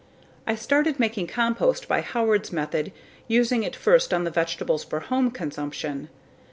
I started making compost by Howard's method using it first on the vegetables for home consumption....